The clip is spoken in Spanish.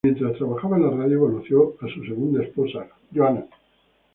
Mientras trabajaba en la radio conoció a su segunda esposa, Joanna.